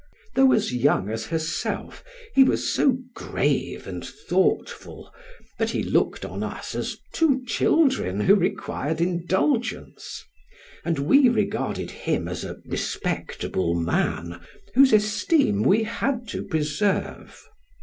Though as young as herself, he was so grave and thoughtful, that he looked on us as two children who required indulgence, and we regarded him as a respectable man, whose esteem we had to preserve.